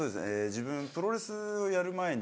自分プロレスをやる前に。